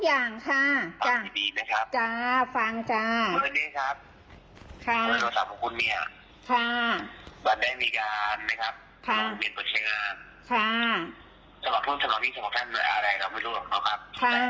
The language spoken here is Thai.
ยังไม่วาง